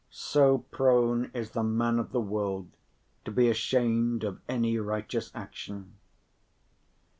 So prone is the man of the world to be ashamed of any righteous action.